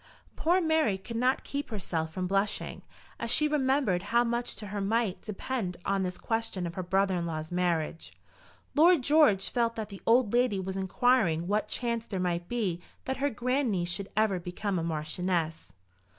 Poor Mary could not keep herself from blushing, as she remembered how much to her might depend on this question of her brother in law's marriage. Lord George felt that the old lady was enquiring what chance there might be that her grand niece should ever become a marchioness.